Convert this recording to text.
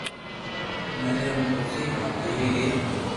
مريا مون پئسي جيوي گئي